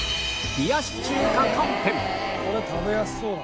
これ食べやすそうだな。